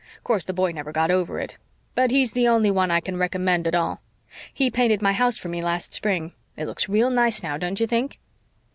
Course, the boy never got over it. But he's the only one I can recommend at all. He painted my house for me last spring. It looks real nice now, don't you think?"